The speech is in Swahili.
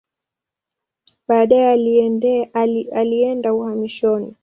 Baadaye alienda uhamishoni.